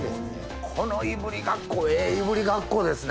このいぶりがっこええいぶりがっこですね！